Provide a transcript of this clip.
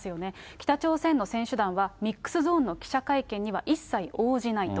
北朝鮮の選手団はミックスゾーンの記者会見には一切応じないと。